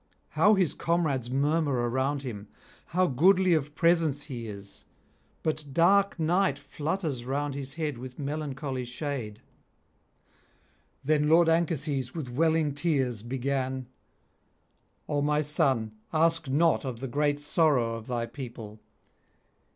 How his comrades murmur around him! how goodly of presence he is! but dark Night flutters round his head with melancholy shade.' Then lord Anchises with welling tears began: 'O my son, ask not of the great sorrow of thy people.